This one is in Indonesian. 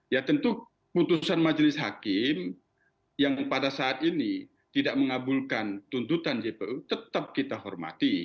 ya tentu putusan majelis hakim yang pada saat ini tidak mengabulkan tuntutan jpu tetap kita hormati